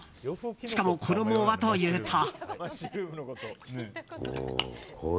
しかも衣はというと。